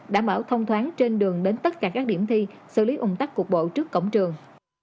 đảm bảo thông thoáng trên đường đến tất cả các điểm thi xử lý ủng tắc cục bộ trước cổng trường